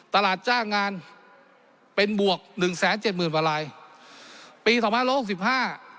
ตลาดจ้างงานเป็นบวกหนึ่งแสนเจ็ดหมื่นกว่าลายปีสองพันร้อยหกสิบห้า